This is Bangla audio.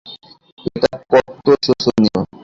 এটা কত্ত শোচনীয়!